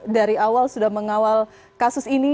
dari awal sudah mengawal kasus ini